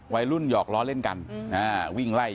วัยรุ่นหยอกล้อเล่นกันวิ่งไล่กัน